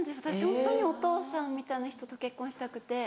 ホントにお父さんみたいな人と結婚したくて。